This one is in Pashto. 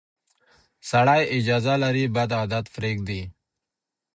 سړی اجازه لري بد عادت پرېږدي.